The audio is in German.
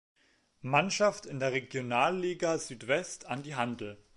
Mannschaft in der Regionalliga Südwest an die Hantel.